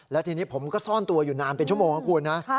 และทีนี้ผมก็ซ่อนตัวอยู่นานเป็นชั่วโมงนะคุณนะ